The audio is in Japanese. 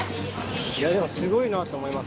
いや、でもすごいなと思います。